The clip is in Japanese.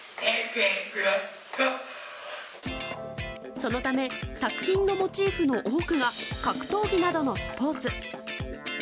そのため作品のモチーフの多くが格闘技などのスポーツ。